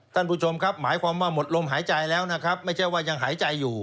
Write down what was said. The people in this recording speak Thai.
ท่านผู้ชมครับหมายความว่าหมดลมหายใจแล้วนะครับไม่ใช่ว่ายังหายใจอยู่